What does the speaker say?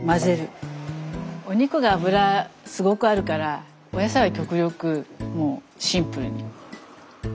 お肉が脂すごくあるからお野菜は極力もうシンプルに。